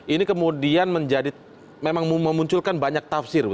ini kemudian menjadi memang memunculkan banyak tafsir